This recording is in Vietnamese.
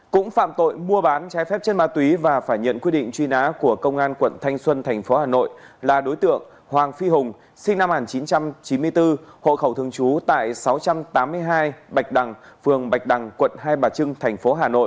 cũng phạm tội mua bán trái phép chất ma túy và phải nhận quyết định truy nã của công an quận thanh xuân thành phố hà nội là đối tượng hoàng phi hùng sinh năm một nghìn chín trăm chín mươi bốn hộ khẩu thường trú tại sáu trăm tám mươi hai bạch đằng phường bạch đằng quận hai bà trưng thành phố hà nội